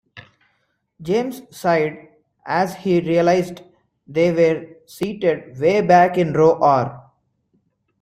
James sighed as he realized they were seated way back in row R.